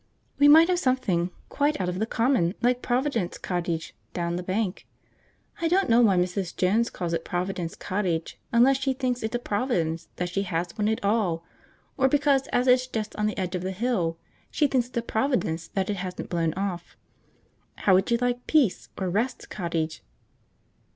"We might have something quite out of the common, like 'Providence Cottage,' down the bank. I don't know why Mrs. Jones calls it Providence Cottage, unless she thinks it's a providence that she has one at all; or because, as it's just on the edge of the hill, she thinks it's a providence that it hasn't blown off. How would you like 'Peace' or 'Rest' Cottage?"